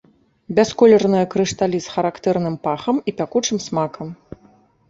Бясколерныя крышталі з характэрным пахам і пякучым смакам.